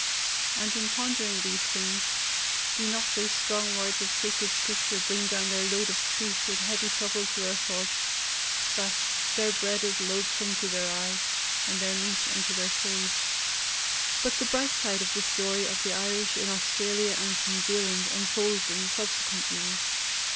And in pondering these things, do not those strong words of Sacred Scripture bring down their load of truth in heavy trouble to our thoughts, that, 'Their bread is loathsome to their eye, and their meat unto their soul.'" But the bright side of the story of the Irish in Australia and New Zealand unfolds in the subsequent years.